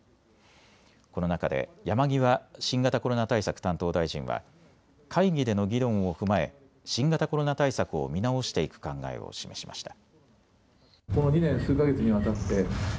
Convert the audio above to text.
この中で山際新型コロナ対策担当大臣は会議での議論を踏まえ新型コロナ対策を見直していく考えを示しました。